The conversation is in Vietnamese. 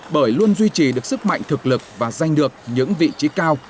bởi luôn duy trì được sức mạnh thực lực và giành được những vị trí cao